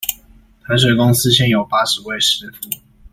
台水公司現有八十位師傅